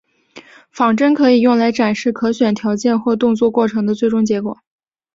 仿真可以用来展示可选条件或动作过程的最终结果。